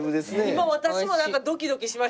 今私もドキドキしましたもん。